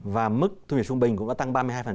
và mức thu nhập trung bình cũng đã tăng ba mươi hai